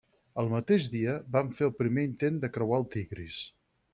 Al mateix dia, van fer el primer intent de creuar el Tigris.